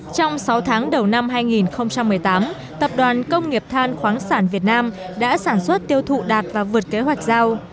trong sáu tháng đầu năm hai nghìn một mươi tám tập đoàn công nghiệp than khoáng sản việt nam đã sản xuất tiêu thụ đạt và vượt kế hoạch giao